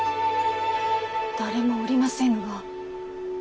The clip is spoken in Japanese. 誰もおりませぬが。